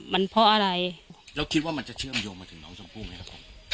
มันเพราะอะไรแล้วคิดว่ามันจะเชื่อมโยงมาถึงน้องชมพู่ไหมครับผม